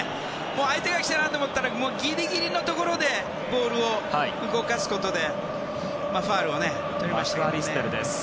相手が来たなと思ったらギリギリのところでボールを動かすことでファウルをとりましたね。